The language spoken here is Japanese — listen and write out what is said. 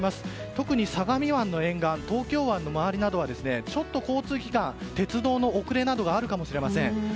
特に相模湾の沿岸東京湾の周りなどはちょっと交通機関鉄道の遅れなどがあるかもしれません。